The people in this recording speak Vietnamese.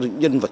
những nhân vật